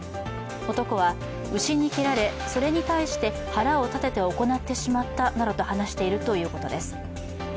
男は牛に蹴られ、それに対して腹を立てて行ってしまったなどと話しているということです。